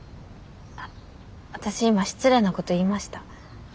あっ私今失礼なこと言いました？